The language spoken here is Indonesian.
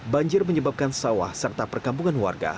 banjir menyebabkan sawah serta perkampungan warga